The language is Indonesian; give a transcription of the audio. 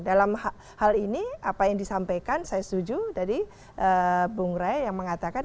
dalam hal ini apa yang disampaikan saya setuju tadi bung ray yang mengatakan